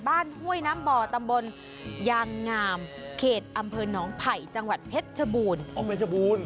บ้านห้วยน้ำบ่อตำบลยางงามเขตอำเภอหนองไผ่จังหวัดเพชรชบูรณ์